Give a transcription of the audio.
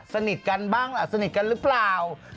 สนิทกันบ้างล่ะสนิทกันหรือเปล่า